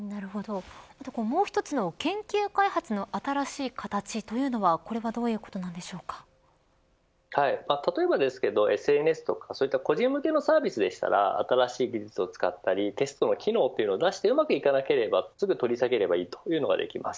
もう一つの研究開発の新しい形というのは例えばＳＮＳや個人向けのサービスでしたら新しい技術を使ったりテストの機能を出してうまくいかなければすぐ、取り下げればいいというのができます。